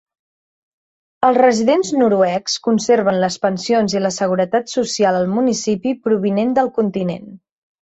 Els residents noruecs conserven les pensions i la seguretat social al municipi provinent del continent.